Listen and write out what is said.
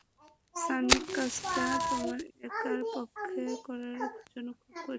Sonic, কাজটা তোমার একার পক্ষে করার জন্য খুব কঠিন।